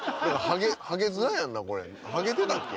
ハゲヅラやんなこれハゲてたっけ？